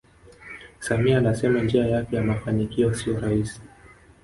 samia anasema njia yake ya mafanikio siyo rahisi